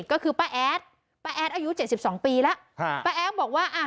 ก็คือป้าแอดป้าแอดอายุเจ็ดสิบสองปีแล้วฮะป้าแอดบอกว่าอ่ะ